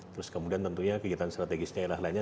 terus kemudian tentunya kegiatan strategis daerah lainnya